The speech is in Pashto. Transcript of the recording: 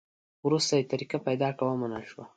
وروسته یې طریقه پیدا کړه؛ ومنل شوه.